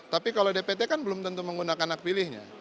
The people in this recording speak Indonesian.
tapi kalau dpt kan belum tentu menggunakan hak pilihnya